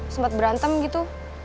sempat berantem gitu